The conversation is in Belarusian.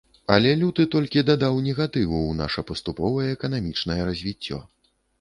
Але люты толькі дадаў негатыву ў наша паступовае эканамічнае развіццё.